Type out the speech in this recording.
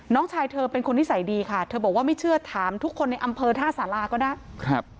น้องชายเธอเป็นคนนิสัยดีค่ะเธอบอกว่าไม่เชื่อถามทุกคนในอำเภอท่าสาราก็ได้ครับ